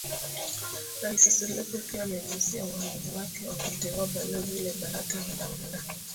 Rais suluhu pia amegusia uamuzi wake wa kumteua Balozi Lebarata Mulamula